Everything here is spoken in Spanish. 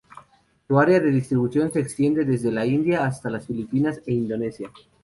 Su área de distribución se extiende desde la India hasta las Filipinas e Indonesia.